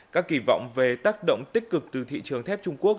các kỳ vọng về tác động tích cực từ thị trường thép trung quốc